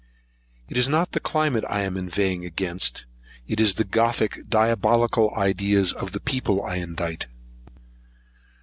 It is not the climate I am inveighing against; it is the Gothic, diabolical ideas of the people I indite.